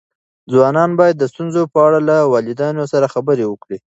ځوانان باید د ستونزو په اړه له والدینو سره خبرې وکړي.